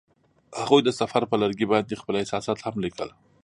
هغوی د سفر پر لرګي باندې خپل احساسات هم لیکل.